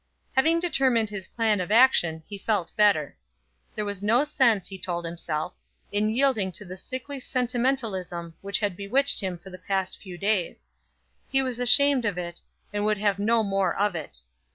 Having determined his plan of action he felt better. There was no sense, he told himself, in yielding to the sickly sentimentalism which had bewitched him for the past few days; he was ashamed of it, and would have no more of it.